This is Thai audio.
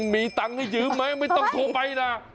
มีตังค์ให้ยืมไหมไม่ต้องโทรไปนะ